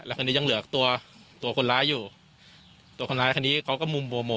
คราวนี้ยังเหลือตัวตัวคนร้ายอยู่ตัวคนร้ายคันนี้เขาก็มุมโมโม